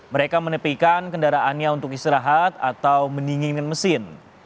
mereka menepikan kendaraannya untuk istirahat atau mendingin mesin